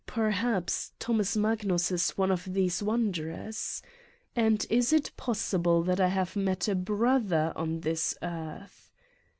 Perhaps Thomas .Magnus is one of these wanderers? And is it pos sible that I have met a brother on this earth?